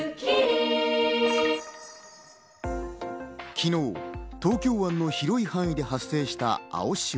昨日東京湾の広い範囲で発生した青潮。